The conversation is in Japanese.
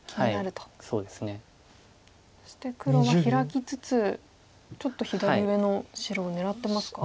そして黒はヒラきつつちょっと左上の白を狙ってますか？